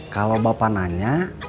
kalau bapak nanya